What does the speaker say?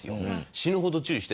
死ぬほど注意して。